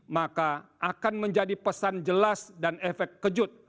maka akan menjadi pesan jelas dan efek kejut